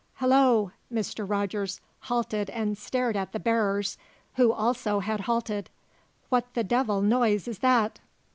"Hallo!" Mr. Rogers halted and stared at the bearers, who also had halted. "What the devil noise is that?"